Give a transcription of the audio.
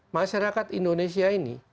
masyarakat indonesia ini